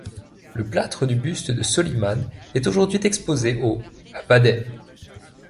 Le plâtre du buste de Soliman est aujourd'hui exposé au à Baden.